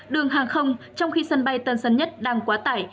đường hàng không trong khi sân bay tân sân nhất đang quá tải